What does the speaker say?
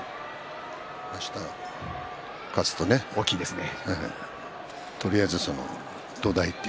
あした勝つと大きいですね